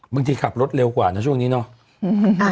บางทีขับรถเร็วกว่าเนอะช่วงนี้เนอะ